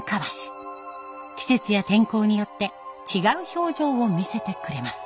季節や天候によって違う表情を見せてくれます。